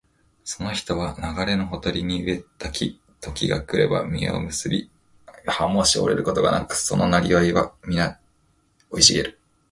その人は流れのほとりに植えられた木、時が来れば実を結び、葉もしおれることがなく、その業はみな生い茂る